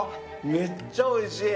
めっちゃおいしい！